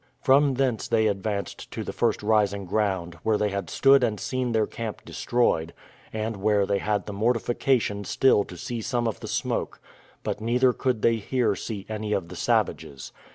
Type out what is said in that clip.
From thence they advanced to the first rising ground, where they had stood and seen their camp destroyed, and where they had the mortification still to see some of the smoke; but neither could they here see any of the savages.